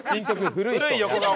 「古い横顔」。